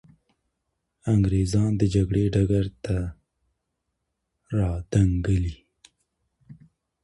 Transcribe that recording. انګریزان د جګړې ډګر ته را دانګلي.